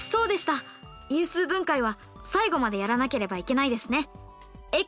因数分解は最後までやらなければいけないですね。